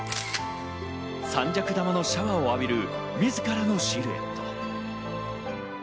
三尺玉のシャワーを浴びる自らのシルエット。